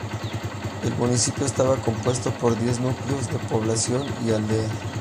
El municipio estaba compuesto por diez núcleos de población y aldeas.